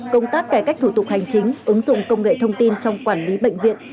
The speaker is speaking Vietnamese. công tác cải cách thủ tục hành chính ứng dụng công nghệ thông tin trong quản lý bệnh viện